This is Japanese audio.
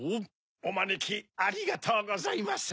おまねきありがとうございます。